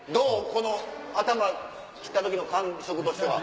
この頭切った時の感触としては。